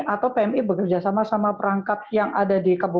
atau pmi bekerjasama sama perangkat yang ada di kabupaten